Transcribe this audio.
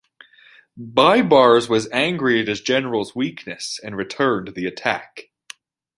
Baibars was angry at his generals' weakness, and returned to the attack.